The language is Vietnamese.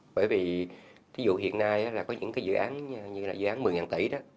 bởi vì ví dụ hiện nay là có những cái dự án như là dự án một mươi tỷ đó